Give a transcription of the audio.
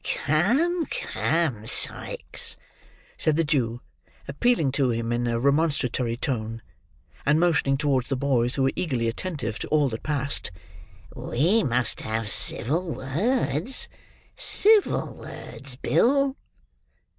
"Come, come, Sikes," said the Jew appealing to him in a remonstratory tone, and motioning towards the boys, who were eagerly attentive to all that passed; "we must have civil words; civil words, Bill."